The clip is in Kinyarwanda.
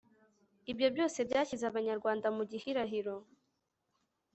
ibyo byose byashyize abanyarwanda mu gihirahiro